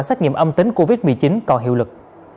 xét nghiệm âm tính covid một mươi chín còn hiệu lực